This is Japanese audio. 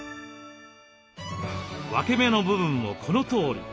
分け目の部分もこのとおり。